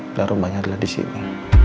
dan rumahnya adalah disini